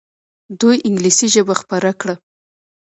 دوی انګلیسي ژبه خپره کړه.